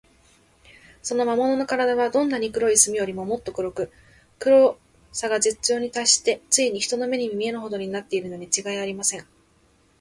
その魔物のからだは、どんな濃い墨よりも、もっと黒く、黒さが絶頂にたっして、ついに人の目にも見えぬほどになっているのにちがいありません。